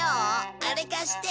あれ貸して。